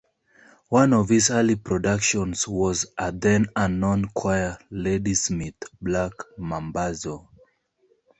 One of his early productions was a then-unknown choir, Ladysmith Black Mambazo.